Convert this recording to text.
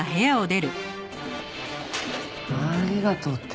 「ありがとう」って。